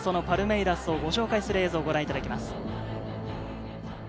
パルメイラスをご紹介する映像をご覧いただきます。